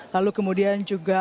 lalu kemudian juga